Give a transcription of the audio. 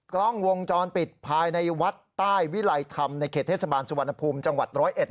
กล้องวงจรปิดภายในวัดใต้วิลัยธรรมในเขตเทศบาลสุวรรณภูมิจังหวัด๑๐๑